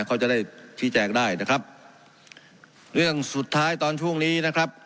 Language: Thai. เขาจะได้ชี้แจงได้นะครับเรื่องสุดท้ายตอนช่วงนี้นะครับ